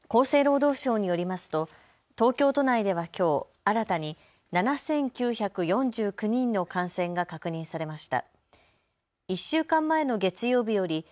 厚生労働省によりますと東京都内ではきょう新たに７９４９人の感染が確認されました。